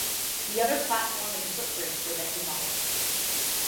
The other platform and the footbridge were then demolished.